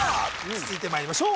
続いてまいりましょう